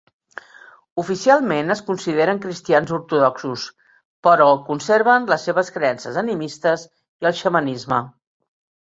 Oficialment es consideren cristians ortodoxos, però conserven les seves creences animistes i el xamanisme.